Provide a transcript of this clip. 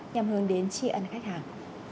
nhằm hướng đến tri ân khách hàng